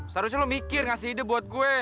seharusnya lo mikir ngasih ide buat gue